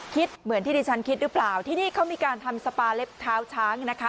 เหมือนที่ดิฉันคิดหรือเปล่าที่นี่เขามีการทำสปาเล็บเท้าช้างนะคะ